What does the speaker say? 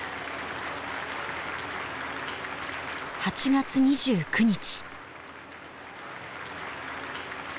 ８月２９日。